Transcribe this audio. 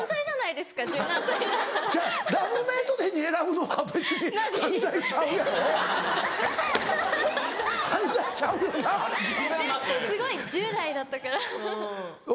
でもすごい１０代だったからそう。